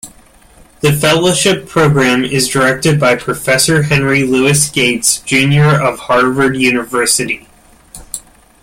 The fellowship program is directed by Professor Henry Louis Gates, Junior of Harvard University.